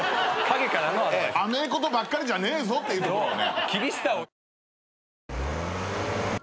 甘えことばっかりじゃねえぞっていうところをね。